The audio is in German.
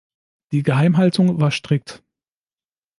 Die Geheimhaltung war strikt.